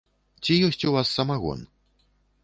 Ці ёсць у вас самагон?